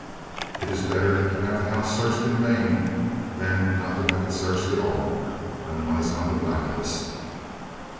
"It is better to have the house searched in vain, than not to have it searched at all, when one is on the black list.